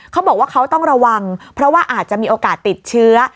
เขาบอกว่าเขาต้องระวังเพราะว่าอาจจะมีโอกาสติดเชื้อ